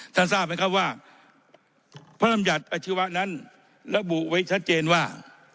ท่านทราบนะครับว่าพระอำจัดอชีวะนั้นระบุไว้ชัดเจนว่า